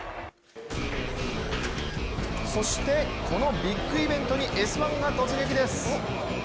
そしてこのビッグイベントに「Ｓ☆１」が突撃です。